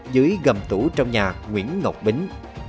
dưới gầm tủ trong nhà nguyễn ngọc bính